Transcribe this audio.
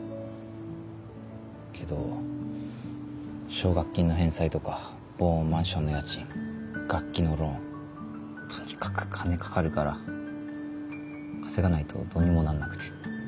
けど奨学金の返済とか防音マンションの家賃楽器のローンとにかく金かかるから稼がないとどうにもならなくて。